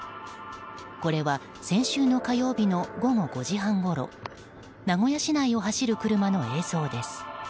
これは先週の火曜日の午後５時半ごろ名古屋市内を走る車の映像です。